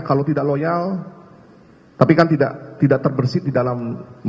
kalau tidak loyal tapi kan tidak terbersih di dalam